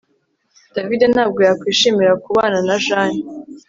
David ntabwo yakwishimira kubana na Jane